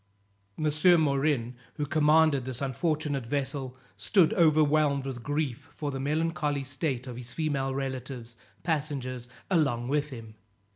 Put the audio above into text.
M. Morin, who commanded this unfortunate vessel, stood overwhelmed with grief for the melancholy state of his female relatives, passengers along with him.